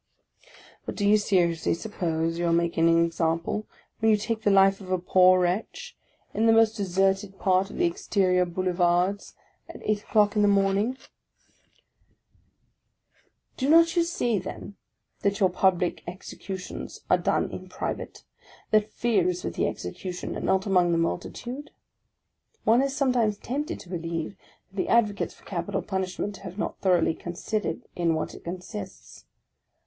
But do you seriously suppose you are making an example, when you take the life of a poor wretch, in the most deserted M. VICTOR HUGO 35 part of the exterior Boulevards, at eight o'clock in the morn ing0 Do not you see then, that your public executions are done in private? That fear is with the execution, and not among the multitude? One is sometimes tempted to believe, that the advocates for capital punishment have not thoroughly considered in what it consists.